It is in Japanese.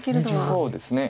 そうですね。